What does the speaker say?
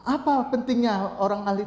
apa pentingnya orang ahli